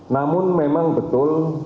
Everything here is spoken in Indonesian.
namun memang betul